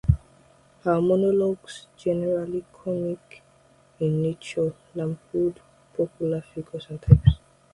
Her monologues, generally comic in nature, lampooned popular figures and types.